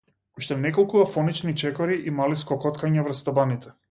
Уште неколку афонични чекори и мали скокоткања врз табаните.